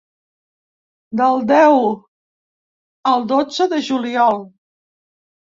Del deu al dotze de juliol.